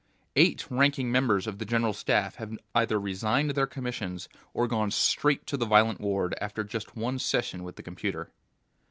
"Eight ranking members of the General Staff have either resigned their commissions or gone straight to the violent ward after just one session with the computer."